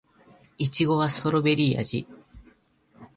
いちごはストベリー味